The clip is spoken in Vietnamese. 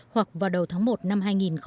hoặc vào đầu tháng một năm hai nghìn hai mươi